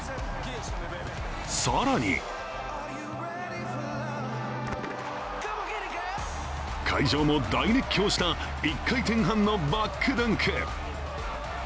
更に会場も大熱狂した１回転半のバックダンク。